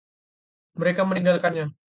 Mereka meninggalkannya.